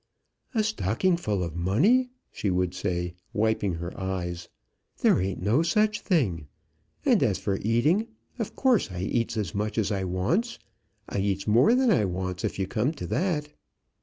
"A stocking full of money!" she would say, wiping her eyes; "there ain't no such thing. And as for eating, of course, I eats as much as I wants. I eats more than I wants, if you come to that."